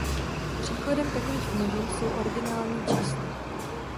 Příkladem takových množin jsou ordinální čísla.